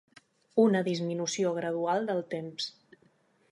Una disminució gradual del temps.